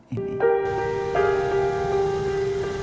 saya tidak semur hidup menggunakan obat